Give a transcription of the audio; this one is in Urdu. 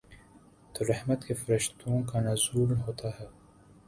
تو رحمت کے فرشتوں کا نزول ہوتا ہے۔